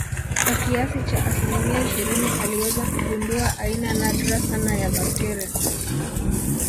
kwa kiasi cha asilimia ishirini aliweza kugundua aina nadra sana ya bakteria